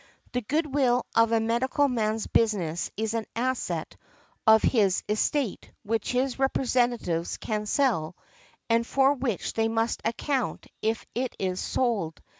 The good will of a medical man's business is an asset of his estate which his representatives can sell, and for which they must account if it is sold.